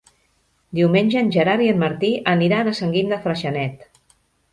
Diumenge en Gerard i en Martí aniran a Sant Guim de Freixenet.